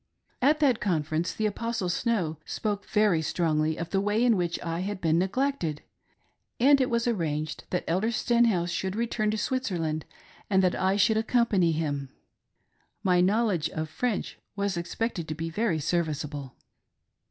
At that Conference .the Apostle Snow spoke very strongly of the way in which I had been neglected ; and it was arranged that Elder Stenhouse should return t6 Switzerland, and that I should aecompany him. My knowledge of French was expected to be very serviceable.